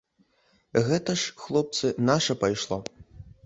Гэта ж, хлопцы, наша пайшло.